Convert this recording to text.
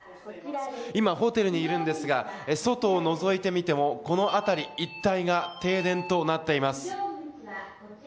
今、ホテルにいるんですが外をのぞいてみてもこの辺り一帯が停電となっています。